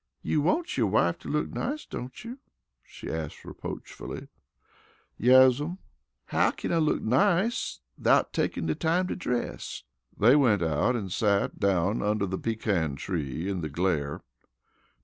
"You wants yo' wife to look nice, don't you?" she asked reproachfully. "Yes'm." "How kin I look nice 'thout takin' de time to dress?" They went out and sat down under the pecan tree in the "glare."